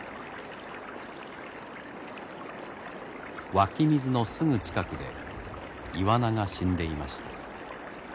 湧き水のすぐ近くでイワナが死んでいました。